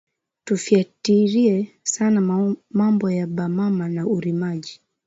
Tufwatirye sana mambo ya ba mama na urimaji